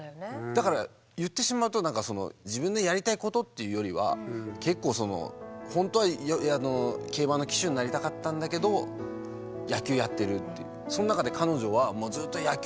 だから言ってしまうと自分のやりたいことっていうよりは結構その本当は競馬の騎手になりたかったんだけど野球やってるっていう。